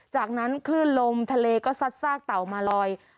จากนั้นคลื่นลมทะเลก็ซัดซากเต่ามาลอย